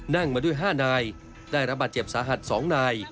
นั่งมาด้วย๕นายได้รับบาดเจ็บสาหัส๒นาย